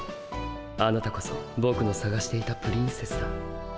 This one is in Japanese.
あなたこそぼくのさがしていたプリンセスだ。